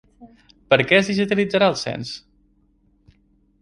Per què es digitalitzarà el cens?